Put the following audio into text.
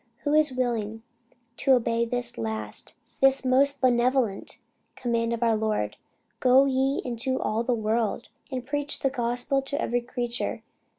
Who is willing to obey this last, this most benevolent command of our Lord, Go ye into all the world, and preach the gospel to every creature?